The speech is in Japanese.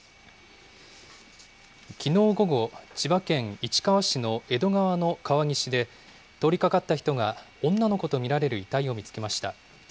きのう午後、千葉県市川市の江戸川の川岸で、通りかかった人が女の子と見られる遺体を見つけました。